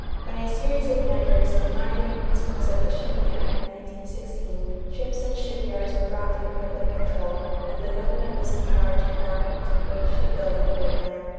By a series of measures, enlarging the principles of the shipping act of 1916, ships and shipyards were brought under public control and the government was empowered to embark upon a great ship building program.